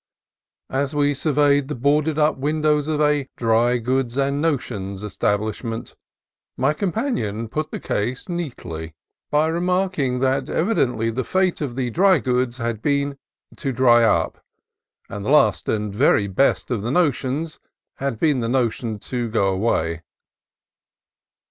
As we surveyed the boarded up windows of a "Dry Goods and Notions" establishment, my companion put the case neatly by remarking that evidently the fate of the dry goods had been to dry up, and the last and best of the notions had been the notion to go away.